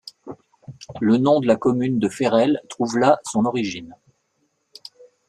Le nom de la commune de Férel trouve là son origine.